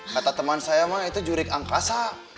kata teman saya mah itu jurik angkasa